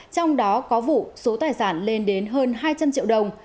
trong đó có vụ số tài sản lên đến hơn hai trăm linh triệu đồng